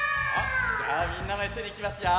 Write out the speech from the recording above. じゃあみんなもいっしょにいきますよ。